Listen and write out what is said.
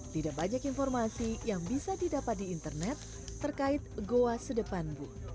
tidak banyak informasi yang bisa didapat di internet terkait goa sedepan bu